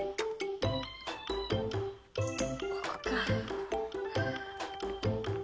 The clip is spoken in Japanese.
ここかぁ。